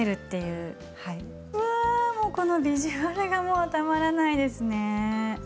うわこのビジュアルがもうたまらないですね。